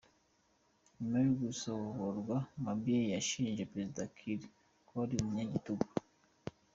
Nyuma yo gusohorwa, Mabior yashinje Perezida Kiir ko ari umunyagitugu.